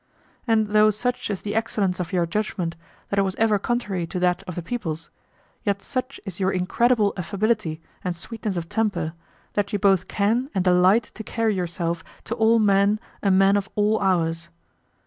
And though such is the excellence of your judgment that it was ever contrary to that of the people's, yet such is your incredible affability and sweetness of temper that you both can and delight to carry yourself to all men a man of all hours.